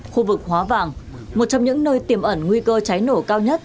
khu vực hóa vàng một trong những nơi tiềm ẩn nguy cơ cháy nổ cao nhất